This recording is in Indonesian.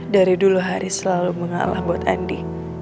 dari dulu hari selalu mengalah buat andi